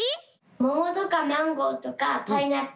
モモとかマンゴーとかパイナップル。